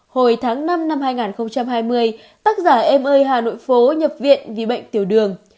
hồi tháng năm năm hai nghìn hai mươi tác giả em ơi hà nội phố nhập viện vì bệnh tiểu đường